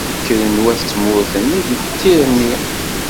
Kkren wat tmurt-nni d tirni.